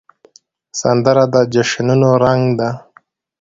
سندره د جشنونو رنګ ده